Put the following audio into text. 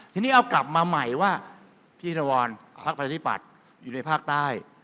ทีนี้เอากลับมาใหม่ว่าพี่นวรพักประชาธิปัตย์อยู่ในภาคใต้